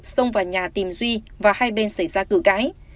xông vào nhà tìm duy và hai bên xảy ra cử cái